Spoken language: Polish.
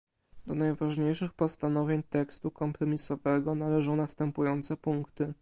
Do najważniejszych postanowień tekstu kompromisowego należą następujące punkty